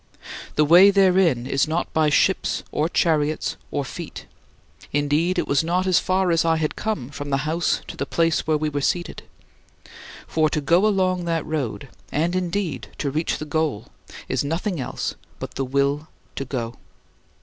The way therein is not by ships or chariots or feet indeed it was not as far as I had come from the house to the place where we were seated. For to go along that road and indeed to reach the goal is nothing else but the will to go.